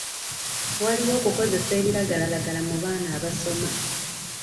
Waliwo okukozesa ebiragalalagala mu baana abasoma.